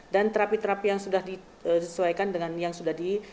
dan terapi terapi yang sudah disesuaikan dengan yang sudah di